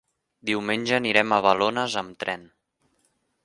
Diumenge anirem a Balones amb tren.